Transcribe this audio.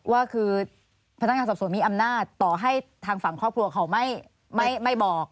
ว่าคือพนักงานสอบสวนมีอำนาจต่อให้ทางฝั่งครอบครัวเขาไม่บอก